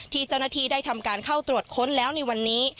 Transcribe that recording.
ที่เจ้าหน้าที่ได้ทำการเข้าตรวจค้นแล้วในวันนี้